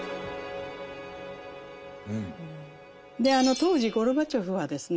当時ゴルバチョフはですね